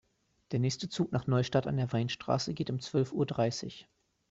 Der nächste Zug nach Neustadt an der Weinstraße geht um zwölf Uhr dreißig